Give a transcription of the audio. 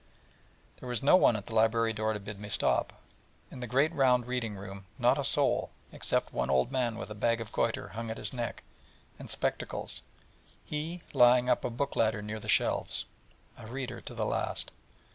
There was no one at the library door to bid me stop, and in the great round reading room not a soul, except one old man with a bag of goître hung at his neck, and spectacles, he lying up a book ladder near the shelves, a 'reader' to the last.